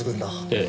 ええ。